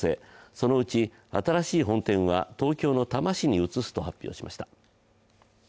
そのうち新しい本店は東京の多摩市に移すと発表しました。